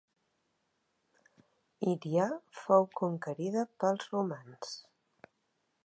Hyria fou conquerida pels romans.